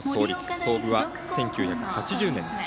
創部は１９８０年です。